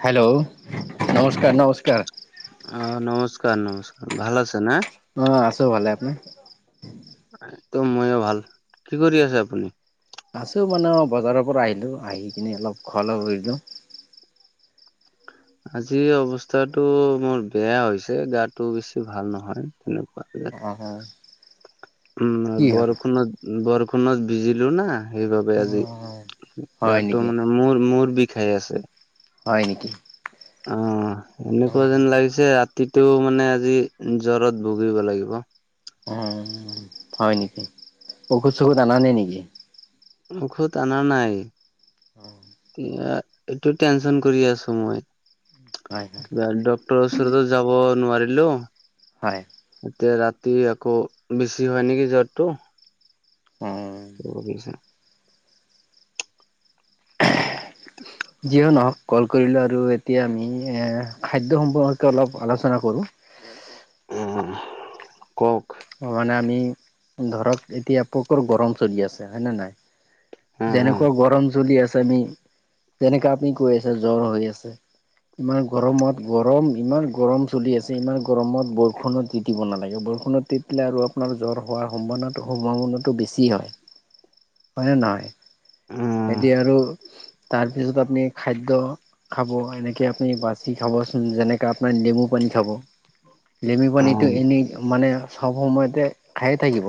Hello নমস্কাৰ নমস্কাৰ। অ', নমস্কাৰ নমস্কাৰ। ভাল আছে নে? অ', আছো ভালে। আপুনি? এইটো ময়ো ভাল। কি কৰি আছে আপুনি? আছোঁ মানে বজাৰৰ পৰা আহিলোঁ। আহি কিনে অলপ খোৱা-লোৱা কৰিলোঁ। আজি অৱস্থাটো মোৰ বেয়া হৈছে। গাতো বেছি ভাল নহয় তেনেকুৱা। অ অ কি উম। হ'ল বৰষুণত বৰষুণত ভিজিলো না। সেইবাবে অ আজি হয় গাতো নেকি মানে মূৰ মূৰ বিষাই আছে। হয় নেকি? অ', অ এনেকুৱা যেন লাগিছে ৰাতিটো মানে আজি জ্বৰত ভোগিব লাগিব। অ', হয় নেকি? ঔষধ-চৌষধ আনা নাই নেকি? ঔষধ অনা নাই। অ'। এ এইটো টেনচন কৰি আছো মই। হয় হয় কিবা ড ডক্তৰ ওচৰতো যাব নোৱাৰিলো। হয়। এতিয়া ৰাতি আকৌ বেছি হয় নেকি জ্বৰটো। অ'। [unintelligible] [inaudible] যিয়ে নহওক কল কৰিলোঁ আৰু। এতিয়া আমি এ খাদ্য সম্পৰ্কে অলপ আলোচনা কৰোঁ। উম, কওঁক। অ', মানে আমি ধৰক এতিয়া পোকৰ গৰম চলি আছে, হয়ে নে নাই? অ অ যেনেকুৱা গৰম চলি আছে আমি তেনেকা আপুনি কৈ আছে জ্বৰ হৈ আছে। ইমান গৰমত গৰম ইমান গৰম চলি আছে। ইমান গৰমত বৰষুণত তি তিব নালাগে। বৰষুণত তিতিলে আৰু আপোনাৰ জ্বৰ হোৱাৰ সম্ভানতা সম্ভাৱনাটো বেছি হয়। হয় নে নহয়? অ এতিয়া আৰু তাৰপিছত আপুনি খাদ্য খাব। এনেকে আপুনি বাচি খাবচোন। যেনেকাে আপোনাৰ নেমু পানী খাব। নেমু অ পানীটো এনে মানে চব সময়তে খায়ে থাকিব।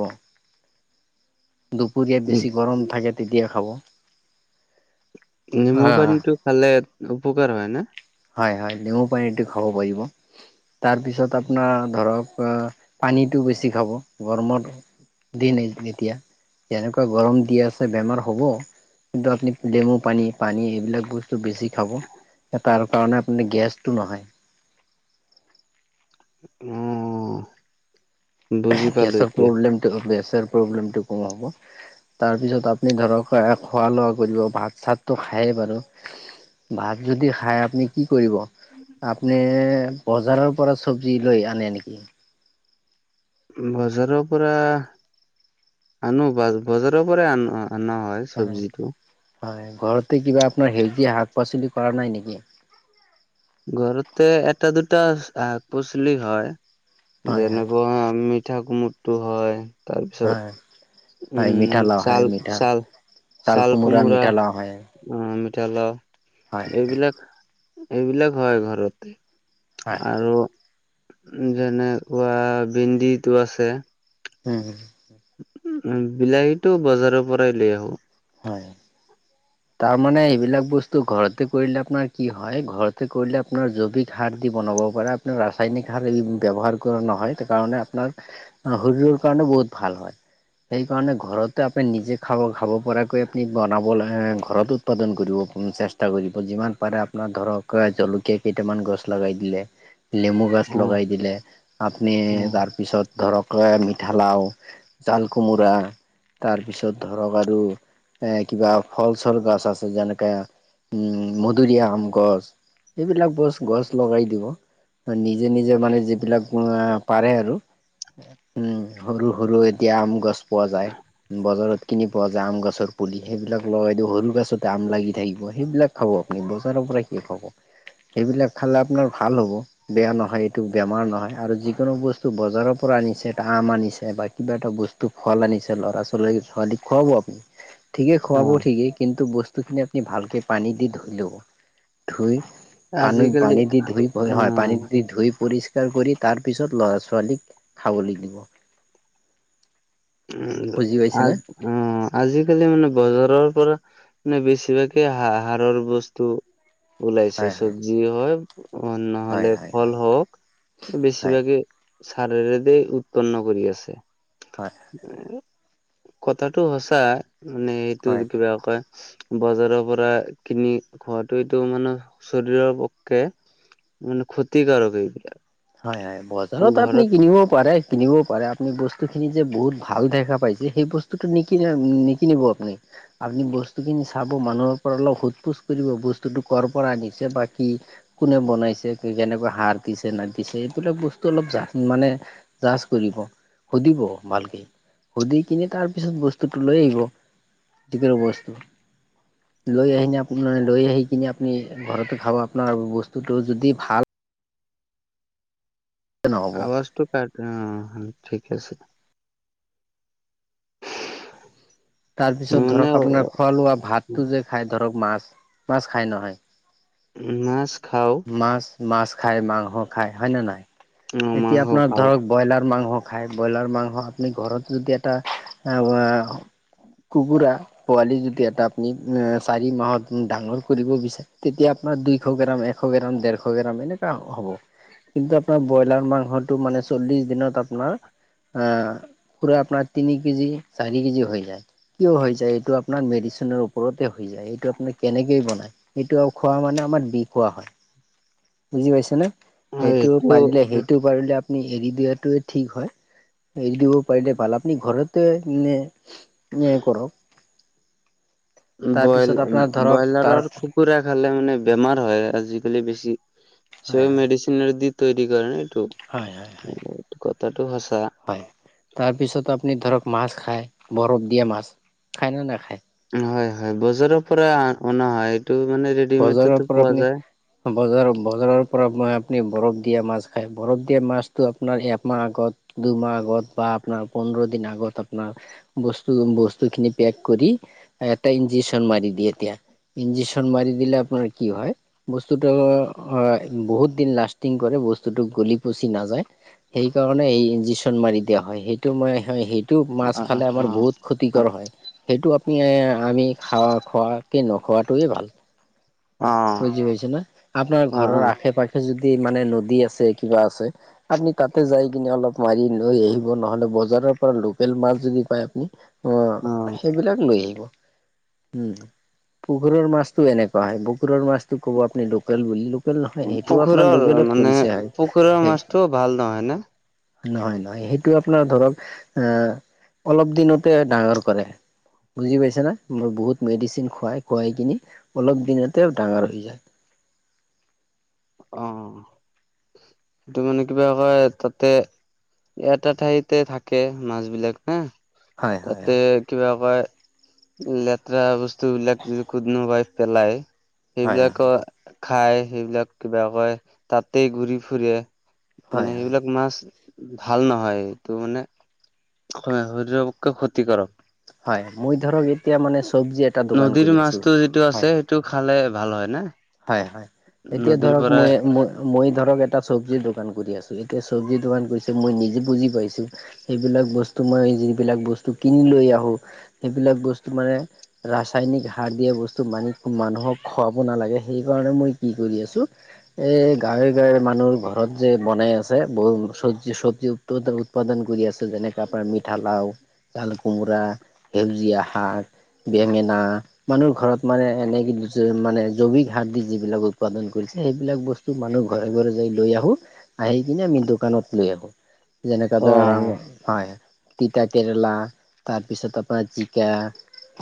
দুপৰীয়াত বেছি গৰম থাকে, তেতিয়াাই খাব। নেমু হয় পানীটো খালে উপকাৰ হয় না? হয় হয়। নেমু পানীটো খাব পাৰিব। তাৰ পিছত আপোনাৰ ধৰক পানীটো বেছি খাব। গৰমত দিন এতিয়া। যেনেকুৱা গৰম দি আছে বেমাৰ হ'ব। কিন্তু আপুনি নেমু পানী, পানী সেইবিলাক বস্তু বেছি খাব। তাৰ কাৰণে আপুনি গেছটো নহয়। অঁ। গেছৰ প্ৰব্লেমটো গেছৰ প্ৰব্লেমটো কমাব। তাৰপিছত আপুনি ধৰক খোৱা লোৱা কৰিব, ভাত চাতটো খায়েই বাৰু ভাত যদি খাই আপুনি কি কৰিব আপুনি বজাৰৰ পৰা চব্জি লৈ আনে নেকি? বজাৰৰ পৰা, আনো বজাৰৰ পৰাই আন অনা হয়। হয় চব্জিটো হয়, ঘৰতে কিবা আপোনাৰ সেউজীয়া শাক-পাচলি কৰা নাই নেকি? ঘৰতে এটা দুটা শাক পাচলি হয় হয় হয় যেনেকুৱা আমি পিঠা কোমোৰাটো হয় তাৰ হয় পিছত হয় মিঠা উম লাও হয় ছাল মিঠা ছাল চাল ছাল কোমোৰা মিঠা লাও হয় অ', মিঠালাও, হয় এইবিলাক এইবিলাক হয় ঘৰতে। হয় আৰু যেনেকুৱা ভেনদিটো আছে হুম। উ, বিলাহীটো বজাৰৰ পৰাই লৈ আহো। হয়। তাৰ মানে এইবিলাক বস্তু ঘৰতে কৰিলে আপোনাৰ কি হয়, ঘৰতে কৰিলে আপোনাৰ জৈৱিক সাৰ দি বনাব পাৰে আপোনাৰ ৰাসায়নিক সাৰ ব্যৱহাৰ কৰা নহয় সেইকাৰণে আপোনাৰ শৰীৰৰ কাৰণে বহুত ভাল হয়, সেই কাৰণে ঘৰতে আপুনি নিজে খাব খাব পৰা আপুনি বনাবলৈ ঘৰত উৎপাদন কৰিব, চেষ্টা কৰিব যিমান পাৰে আপোনাৰ ধৰক জলকীয়া [inaudible] কেইটামান গছ লগাই দিলে লেমু গছ অ লগাই দিলে, আপুনি তাৰপিছত ধৰক মিঠালাও, জাল কোমোৰা, তাৰপিছত ধৰক আৰু এ কিবা ফলচল গছ আছে, যেনেকে উম, মধুৰী, আম গছ এইবিলাক বছ, গছ লগাই দিব নিজে নিজে মানে যিবিলাক পাৰে আৰু উম সৰু সৰু এতিয়া আম গছ পোৱা যায়, বজাৰত কিনি পোৱা যায় আম গছৰ পুলি সেইবিলাক লগাই দিব, সৰু গছতে আম লাগি থাকিব, সেইবিলাক খাব আপুনি, বজাৰৰ পৰা কিয় খাব? সেইবিলাক খালে আপোনাৰ ভাল হ'ব। বেয়া নহয় এইটো বেমাৰ নহয়, আৰু যিকোনো বস্তু বজাৰৰ পৰা আনিছে, এটা আম আনিছে বা কিবা এটা বস্তু টো ফল আনিছে ল'ৰা ছোৱালীক ছোৱালী খুৱাব আপুনি। ঠিকেই খুৱাব অ ঠিকেই কিন্তু, বস্তুখিনি আপুনি ভালকে পানী দি ধুই ল'ব ধুই পানীত আজিকালি পানী দি ধুই হয় পানী উম দি দি ধুই পৰি কৰি, তাৰপিছত ল'ৰা ছোৱালীক খাবলৈ দিব। উম, বুজি আ পাইছেনে? আজিকালি মানে বজাৰৰ পৰা নানে বেছিভাগেই হাৰ হাৰৰ বস্তু ওলাইছে হয় হয় চব্জি হয়ক, অ', হয় নহ'লে হয় ফল হয় হওক হয় বেছিভাগে চাৰদ উৎপন্ন কৰি আছে। হয়। কথাটো সচাঁ, মানে হয় সেইটো কিবা কয় বজাৰৰ পৰা কিনি খোৱাটোৱেটো মানে শৰীৰৰ পক্ষে মানে ক্ষতিকাৰক এইবিলাক। হয় হয়, বজাৰত আপুনি ঘৰত কিনিব পাৰে কিনিবও পাৰে আপুনি বস্তুখিনি যে বহুত ভাল দেখা পাইছে, সেই বস্তুটো নিকিনিব আপুনি। আপুনি বস্তুখিনি চাব মানুহৰ পৰা অলপ সোধ পোছ কৰিব বস্তুটো কৰ' পৰা আনিছে বা কি কোনে বনাইছে, কোন কেনেকুৱা সাৰ দিছে না এইবিলাক বস্তু অলপ জা মানে জাজ কৰিব সুধিব ভালকৈ সুধি কিনে তাৰপিছত বস্তুটো লৈ আহিব, যিখিনি বস্তু লৈ আহনে, লৈ আহি কিনে আপুনি খাব আপোনাৰ বস্তুটো যদি ভাল নহ'ব আৱাজটো কাট অ', ঠিক আছে। তাৰপিছত মানে ধৰক আপোনাৰ খোৱা লোৱা ভাতটো যে খাই ধৰক মাছ, মাছ খাই নহয় মাছ খাওঁ। মাছ-মাছ খাই, মাংস খায় হয়নে নাই, অ এতিয়া মাংস আপোনাৰ খাও ধৰক ব্ৰইলাৰ মাংস খায়, ব্ৰইলাৰ মাংস আপুনি ঘৰত যদি এটা কুকুৰা, পোৱালি যদি এটা আপুনি চাৰি মাহত ডাঙৰ কৰিব বিচাৰ তেতিয়া আপোনাৰ দুইশ গ্ৰাম, এশ গ্ৰাম, দেৰশ গ্ৰাম এনেকুৱা হ'ব। কিন্তু আপোনাৰ ব্ৰইলাৰ মাংসটো, মানে চল্লিশ দিনত আপোনাৰ আহ পুৰা আপোনাৰ তিনি কেজি, চাৰি কেজি হৈ যায়। কিয় হৈ যায়, এই আপোনাৰ মেডিচিনৰ ওপৰতে হৈ যায়, এইটো আপুনাৰ কেনেকে বনায়। এইটো খোৱা মানে, আমাৰ বিষ খোৱা হয়। বুজি পাইছানে, সেইটো এইটো পাৰিলে সেইটো পাৰিলে আপুনি এৰি দিয়টোে ঠিক হয়, এৰি দিব পাৰিলে ভাল আপুনি ঘৰতে নে [unintelligible] তাৰপিছত আপোনাৰ ধৰক তাৰ বইল-ব্ৰইলাৰৰ খুব খোৰা খালে মানে বেমাৰ হয় আজিকালি বেছি, হয় চব [unintelligible] হয় দি তৈয়াৰি কৰে নহ, হয় হয় হয় এইটো কথাটো সচা। হয় তাৰপিছত আপুনি ধৰক মাছ খায়, বৰফ দিয়া মাছ খায়নে নাখায়? হয়, হয়, বজাৰৰ পৰা অনা হয় এইটো মানে বজাৰৰ ৰেডিমেডতো পৰা পোৱা আপুনি যায়। বজাৰ বজাৰৰ পৰা মই আপুনি বৰফ দিয়া মাছ খাই, বৰফ দিয়া মাছটো আপোনাৰ একমাহ আগত দুমাহ আগত বা আপোনাৰ পোন্ধৰ দিন আগত আপোনাৰ বস্তু-বস্তুখিনি পেক কৰি এটা ইন্জেকচন মাৰি দিয়ে এতিয়া। ইঞ্জেক্যন মাৰি দিলে আপোনাৰ কি হয় বস্তুটো বহুত দিন লাষ্টিং কৰে, বস্তুটো গলি পচি নাযায়। সেইকাৰণে এই ইঞ্জেক্যন মাৰি দিয়া হয়, সেইটো ম সেই টো মাছ অ', খালে আমাৰ বহুত অ', ক্ষতিকৰ হয়। সেইটো আপুনি, আমি খাৱা খোৱাকে নোখোৱাটোৱে ভাল। অ'। [unintelligible] না আপোনাৰ অ', ঘৰৰ অ', আশে পাশে যদি মানে নদী আছে, কিবা আছে আপুনি তাতে যাই কিনে অলপ মাৰি লৈ আহিব, নহলে বজাৰৰ পৰা লোকেল মাছ যদি পায় আপুনি অ', সেইবিলাক লৈ আহিব। উম, পুখুৰীৰ মাছটো এনেকুৱা হয়। পুখুৰীৰ মাছটো ক'ব, আপুনি লোকেল বুলি নহয়, সেইটোও পুখুৰৰ আপোনাৰ লোকেলত মানে কৰিছে হয় পুখুৰৰ সেই মাছটো ভাল নহয় নে? নহয়, নহয়, সেইটো আপোনাৰ ধৰক আহ অলপ দিনতে ডাঙৰ কৰে। বুজি পাইছে নে, মই বহুত মেডিচিন খুৱাই খোৱাই কিনি অলপ দিনতে ডাঙৰ হৈ যায়। অ', সিটো মানে কিবা কয়, তাতে এটা ঠাইতে থাকে মাছ বিলাক হা, হয় হয় তাতে হয় কিবা [unintelligible] লেতেৰা বস্তু বিলাক যদি কোনোবাই পেলাই হয় সেইবিলাকো খাই, সেইবিলাক কিবা কয় তাতেই ঘূৰি ফুৰে। হয় মানে হয়। সেইবিলাক মাছ ভাল নহয়, এইটো মানে শৰীৰৰ পক্ষে ক্ষতি কাৰক। হয়, মই ধৰক এতিয়া মানে চব্জি এটা দোকান কৰি আছো। টো আছে, সেইটো খালে ভাল হয়না? হয়, হয়, এতিয়া ধৰক মই মই-মই ধৰক এটা চব্জিৰ দোকান কৰি আছো, এতিয়া চব্জিৰ দোকান কৰিছে মই নিজে বুজি পাইছো। সেইবিলাক বস্তু, মই যিবিলাক বস্তু কিনি লৈ আহোঁ। সেইবিলাক বস্তু মানে, ৰাসায়নিক সাৰ দিয়া বস্তু মানি মানুহক খোৱাব নালাগে। সেইকাৰণে মই কি কৰি আছোঁ এই গাঁৱে-গাঁৱে মানুহৰ ঘৰত যে বনাই আছে, বহুত চব্জি চব্জি উৎপাদন কৰি আছে, যেনেকা আপোনাৰ মিঠালাও, জাল কোমোৰা সেউজীয়া শাক, বেঙেনা মানুহৰ ঘৰত মানে এনে মানে জৈৱিক সাৰ দি যিবিলাক উৎপাদন কৰিছে, সেইবিলাক বস্তু মানুহ ঘৰে ঘৰে যায় লৈ আহোঁ। আহি কিনে আমি দোকানত লৈ আহো যেনেকুৱা অ', ধৰা ৰং, হয় তিতা কেৰেলা তাৰপিছত আপোনাৰ জিকা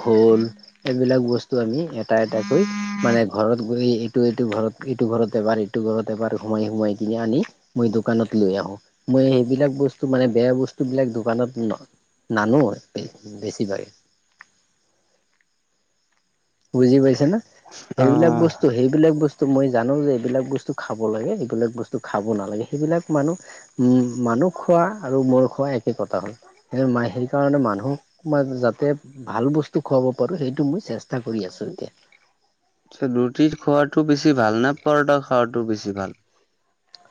ভোল এইবিলাক বস্তু আমি এটা এটাকৈ মানে ঘৰত গৈ এইটো এইটো ঘৰত এইটো ঘৰত এবাৰ এইটো ঘৰত এবাৰ সোমাই সোমাই কিনি আনি মই দোকানত লৈ আহো, মই সেইবিলাক বস্তু মানে বেয়া বস্তু বিলাক দোকানত-া নানো এ-বেছিভাগেই। বুজি পাইছে না, সেইবিলাক অ', বস্তু তো সেইবিলাক বস্তু মই জানো যে এইবিলাক বস্তু খাব লাগে এইবিলাক বস্তু খাব নালাগে সেইবিলাক মানুহ উম, মানুহ খোৱা আৰু মোৰ খোৱা একে কথা হ'ল। সে মা সেইকাৰণে মানুহক মই যাতে ভাল বস্তু খুৱাব পাৰোঁ সেইটো মই চেষ্টা চেষ্টা কৰি আছোঁ এতিয়া। ৰুটি খোৱাটো বেছি ভাল নে পৰঠা খাৱাতটো বেছি ভাল?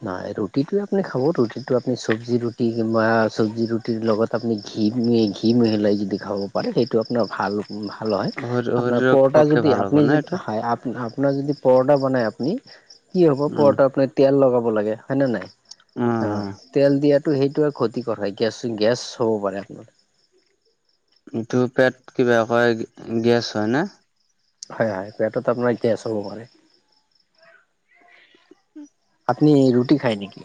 নাই ৰুটিটো আপুনি খাব, ৰুটিটো আপুনি চব্জি ৰুটিা চব্জি ৰুটিৰ লগত আপুনি ঘি ম ঘি মিহলাই যদি খাব পাৰে সেইটো আপোনাৰ ভাল। ভাল হয়, আপোনাৰ শৰীৰৰ পৰঠা পক্ষে যদি ভাল হ'ব আপুনি না এইটো যদি হয় আপ আপোনাৰ যদি পৰঠা বনাই আপুনি কি হ'ব উম, পৰঠা আপোনাৰ তেল লগাব লাগে হয় নে নাই উম, অ', উম। তেল দিয়াতো সেইটো আৰু ক্ষতিকৰ হয়, গেছ গেছ হ'ব পাৰে আপোনাৰ। এইটো পেট কিবা কয় গেছ হয় নে। হয় হয়, পেটত আপোনাৰ গেছ হ'ব পাৰে। উম [unintelligible] আপুনি ৰুটি খায় নেকি?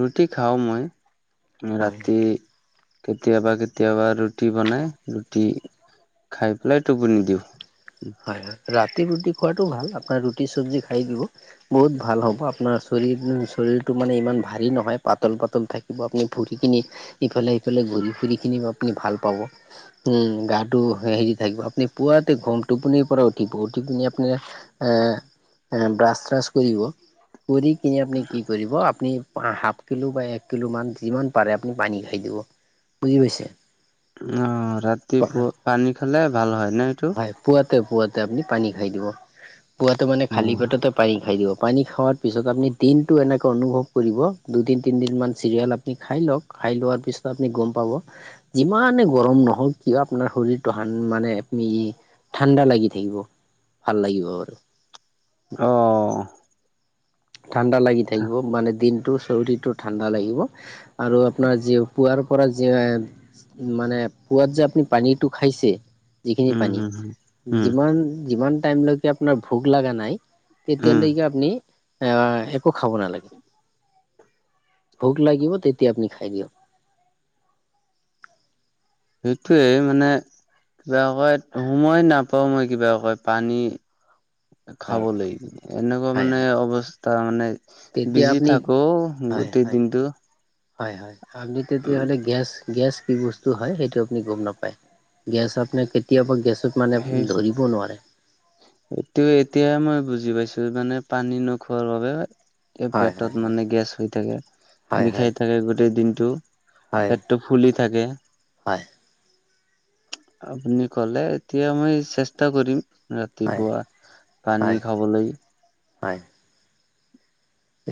ৰুটি খাওঁ মই, হয় ৰাতি কেতিয়াবা কেতিয়াবা ৰুটি বনাই ৰুটি খাই পেলাই টোপনি দিওঁ। হয় হয়, ৰাতি ৰুটি খোৱাটো ভাল আপোনাৰ ৰুটি চবজি খাই দিব। বহুত ভাল হ'ব আপোনাৰ শৰীৰ-শৰীৰটো মানে ইমান ভাৰী নহয় পাতল পাতল থাকে কিব আপুনি ফুৰি কিনি ইফালে সফালে ঘূৰি ফুৰি কিনি আপুনি ভাল পাব। উম, গাটো হেৰি থাকিব আপুনি পুৱাতে ঘম টোপনিৰ পৰা উঠিব উঠি পিনি আপুনি ব্ৰাছ চ্ৰাছ কৰিব কৰি কিনে আপুনি কি কৰিব আপুনি হাফ কিলো বা এক কিলোমান যিমান পাৰে আপুনি পানী খাই দিব। বুজি পাইছে। অ', ৰাতিপুৱা পানী খালে ভাল হয় নটো হয় পুৱাতে পুৱা আপুনি পানী খাই দিব, পুৱা মানে খালি পেটতে পানী খাই দিব। পানী খোৱাৰ পিছত আপুনি দিনটো এনেকৈ অনুভৱ কৰিব দুদিন তিনিদিনমান চিৰিয়েল আপুনি খাই লওক। খাই লোৱাৰ পিছত আপুনি গম পাব। যিমানে গৰম নহওক কিয় আপোনাৰ শৰীৰটো সান মানে ই ঠাণ্ডা লাগি থাকিব ভাল লাগিব বাৰু। অ'। অ'। ঠাণ্ডা লাগি থাকিব মানে দিনটো চৰ্দিটো ঠাণ্ডা লাগিব আৰু আপোনাৰ যি পুৱাৰ পৰা যে মানে পোৱাত যে আপুনি পানীটো খাইছে যিখিনি উম, পানী হম, হম, উম, যিমান-যিমান টাইমলৈকে আপোনাৰ ভোক লগা নাই উম, তেতিয়ালৈকে আপুনি এ-একো খাব নালাগে ভোক লাগিব তেতিয়া আপুনি খাই দিয়ক। সেইটোৱে মানে কিবা আকয় সময় নাপাওঁ মই কিবা কয় পানী খাব লাগিব এনেকুৱা হয় মানে হয় অৱস্থা মানে তেতিয়া বিজি আপুনি থাকো গোটেই দিনটো। হয় হয়, আপনি তেতিয়াহ'লে গেছ-গেছ কি বস্তু হয় সেইটো আপুনি গম নাপায়। গেছ আপোনাৰ কেতিয়াবা গেছত মানে ধৰিব নোৱাৰে। সেইটো এতিয়াই মই বুজি পাইছো মানে পানী নোখোৱাৰ বাবে এই পেটত মানে গেছ হৈ থাকে, হয় হয় বিষাই থাকে গোটেই দিনটো। হয় পেটটো ফুলি থাকে। হয় আপুনি ক'লে, এতিয়া মই চেষ্টা কৰিম ৰাত হয় ৰাতিপুৱা পানী হয় খাবলৈ। হয়।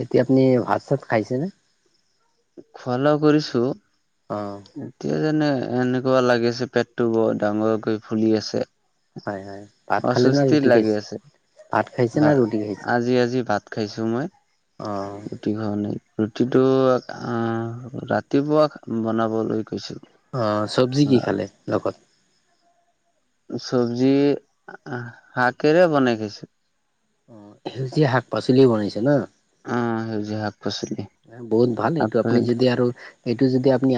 এতিয়া আপুনি ভাত চাত খাইছেনে? খোৱা লোৱা কৰিছো। অ'। এতিয়া যেনে এনেকুৱা লাগিছে, পেটটো বৰ ডাঙৰকৈ ফুলি আছে। হয় হয় ভাত খালে না অস্বস্তিৰ ৰুটি লাগি খাইছে? আছে। ভাত খাইছে না ভাত, ৰুটি খাইছে? আজি-আজি ভাত খাইছো মই। অ'। ৰুটি খোৱা নাই, ৰুটিটো আহ ৰাতিপুৱা বনাবলৈ গৈছিল। অ', চব্জি কি খালে লগত? চব্জি, শাকেৰে বনাই খাইছো। অ', সেউজীয়া শাক-পাচলিয়ে বনাইছে নহ? অ সেউজীয়া শাক পাচলি বহুত ভাল, শাক এইটো আপুনি পাচলি যদি আৰু এইটো যদি আপুনি